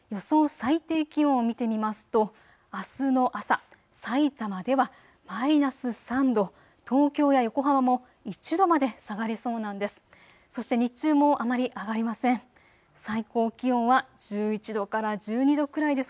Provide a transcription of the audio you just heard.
最低気温を見てみますとあすの朝、さいたまではマイナス３度、東京や横浜も１度まで下がりそうなんです。